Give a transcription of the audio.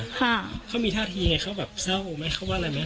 ห่าเค้ามีท่าทียังไงเค้าแบบเศร้ามั้ยเค้าว่าอะไรมั้ย